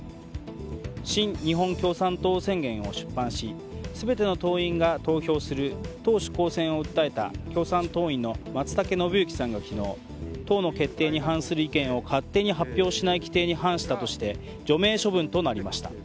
「シン・日本共産党宣言」を出版し全ての党員が投票する党首公選を訴える共産党員の松竹伸幸さんが昨日党の決定に反する意見を勝手に発表しない規定に反したとして除名処分となりました。